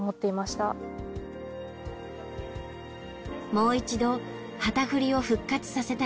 もう一度旗振りを復活させたい。